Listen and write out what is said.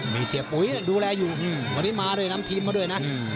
มีเสียปุ๋ยดูแลอยู่วันนี้มาด้วยนำทีมมาด้วยนะ